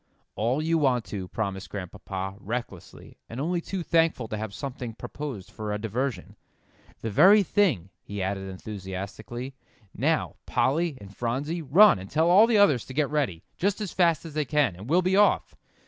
"All you want to," promised Grandpapa, recklessly, and only too thankful to have something proposed for a diversion. "The very thing," he added enthusiastically. "Now, Polly and Phronsie, run and tell all the others to get ready, just as fast as they can, and we'll be off.